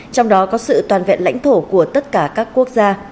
trong đó có sự toàn vẹn lãnh thổ của tất cả các quốc gia